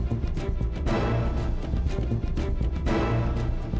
gue hampir kehilangan akal